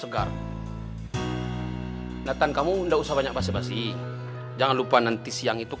udah udah udah nggak usah dilanjutin lagi